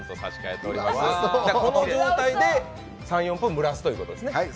この状態で３４分蒸らすということですね。